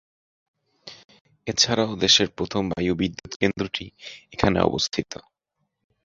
এছাড়াও দেশের প্রথম বায়ু বিদ্যুৎ কেন্দ্রটি এখানে অবস্থিত।